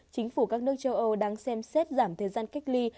chính phủ các nước châu âu đang xem xét giảm thời gian cách ly